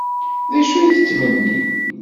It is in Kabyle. D acu ay tettmennim?